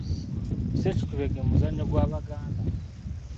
Ssekitulege muzannyo gw’Abaganda.